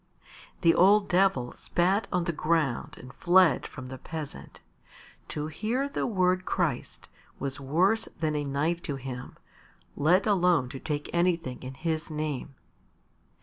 The old Devil spat on the ground and fled from the peasant. To hear the word Christ was worse than a knife to him, let alone to take anything in His name.